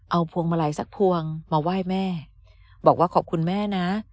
เอาพวงมาลัยสักพวงมาไหว้แม่บอกว่าขอบคุณแม่นะ